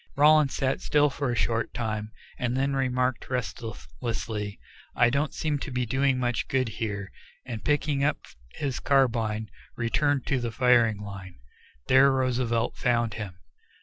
Rowland sat still for a short time, and then remarked restlessly, "I don't seem to be doing much good here," and picking up his carbine, returned to the firing line. There Roosevelt found him.